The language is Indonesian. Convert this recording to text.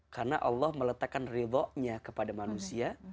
karena allah meletakkan ridhonya kepada manusia